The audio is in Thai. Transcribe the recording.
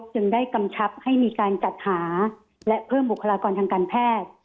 จึงได้กำชับให้มีการจัดหาและเพิ่มบุคลากรทางการแพทย์